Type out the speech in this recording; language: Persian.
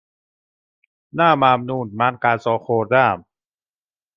نه ممنون، من غذا خوردهام.